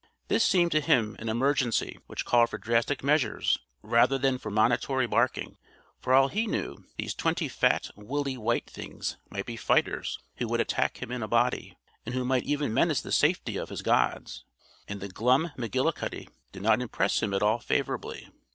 This seemed to him an emergency which called for drastic measures rather than for monitory barking. For all he knew, these twenty fat, woolly, white things might be fighters who would attack him in a body, and who might even menace the safety of his gods; and the glum McGillicuddy did not impress him at all favorably.